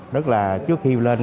rất là trước khi lên